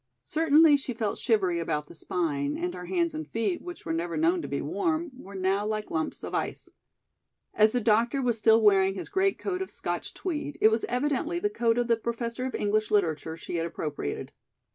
Certainly she felt shivery about the spine, and her hands and feet, which were never known to be warm, were now like lumps of ice. As the doctor was still wearing his great coat of Scotch tweed, it was evidently the coat of the Professor of English Literature she had appropriated.